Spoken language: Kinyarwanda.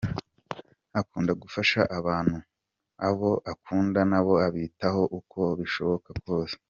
Akunda gufasha abantu, abo akunda nabo abitaho uko bishoboka kose.